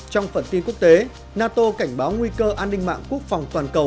trong phần tin quốc tế nato cảnh báo nguy cơ an ninh mạng quốc phòng toàn cầu